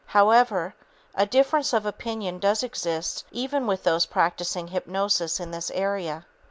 However, a difference of opinion does exist even with those practicing hypnosis in this area.